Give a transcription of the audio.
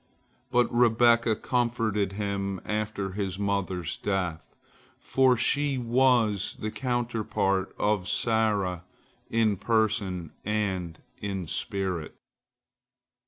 But Rebekah comforted him after his mother's death, for she was the counterpart of Sarah in person and in spirit.